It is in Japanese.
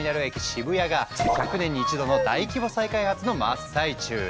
渋谷が１００年に１度の大規模再開発の真っ最中。